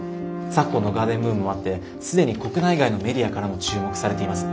昨今のガーデンブームもあって既に国内外のメディアからも注目されています。